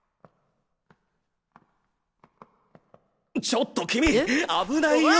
ちょっと君危ないよ。